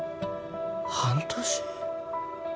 半年？